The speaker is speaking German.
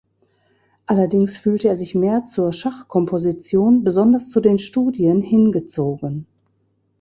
Allerdings fühlte er sich mehr zur Schachkomposition, besonders zu den Studien, hingezogen.